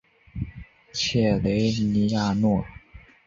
切雷尼亚诺。